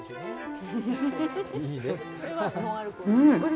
うん！